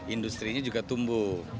industri juga tumbuh